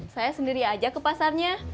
saya sendiri aja ke pasarnya